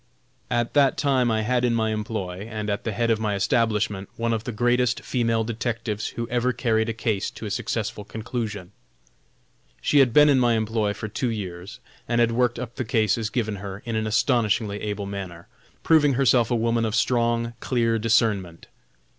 At that time I had in my employ, and at the head of my establishment, one of the greatest female detectives who ever carried a case to a successful conclusion. She had been in my employ for two years, and had worked up the cases given her in an astonishingly able manner, proving herself a woman of strong, clear discernment.